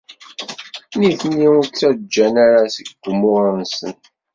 Nitni ur ttajjan ara seg umur-nsen.